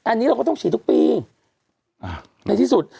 อันนี้เราก็ต้องฉีดทุกปีอ่าในที่สุด